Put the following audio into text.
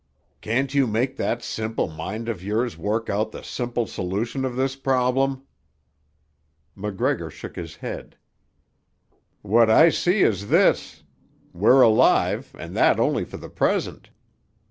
"Can't you make that simple mind of yours work out the simple solution of this problem?" MacGregor shook his head. "What I see is this: we're alive, and that only for the present.